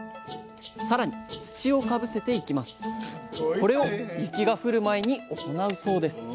これを雪が降る前に行うそうです